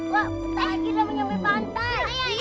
jangan kejang biar angkat lepas